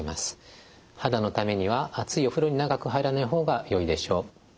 肌のためには熱いお風呂に長く入らない方がよいでしょう。